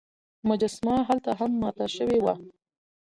مجسمه هلته هم ماته شوې وه.